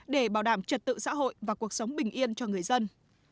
để bảo đảm trật tự xã hội và cuộc sống bình yên cho người dân